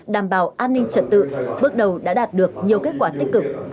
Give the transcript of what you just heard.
đảm bảo an ninh trật tự bước đầu đã đạt được nhiều kết quả tích cực